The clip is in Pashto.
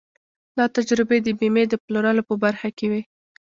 دا تجربې د بيمې د پلورلو په برخه کې وې.